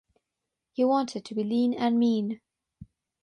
He wanted to be lean and mean.